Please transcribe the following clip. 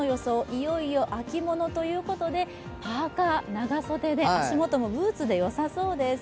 いよいよ秋物ということでパーカー、長袖で、足元もブーツでよさそうです。